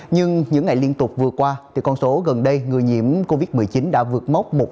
nhưng những ngày liên tục vừa qua thì con số gần đây người nhiễm covid một mươi chín đã vượt mốc một